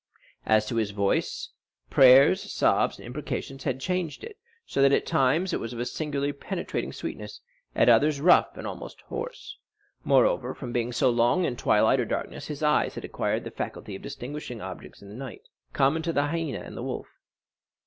As to his voice, prayers, sobs, and imprecations had changed it so that at times it was of a singularly penetrating sweetness, and at others rough and almost hoarse. Moreover, from being so long in twilight or darkness, his eyes had acquired the faculty of distinguishing objects in the night, common to the hyena and the wolf.